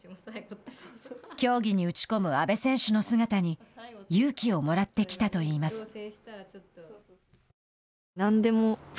競技に打ち込む阿部選手の姿に勇気をもらってきたといいます。